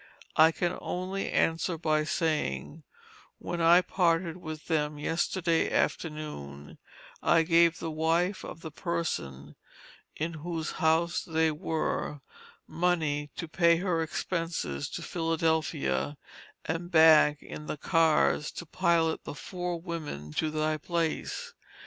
I can only answer by saying, when I parted with them yesterday forenoon, I gave the wife of the person, in whose house they were, money to pay her expenses to Philadelphia and back in the cars to pilot the four women to thy place.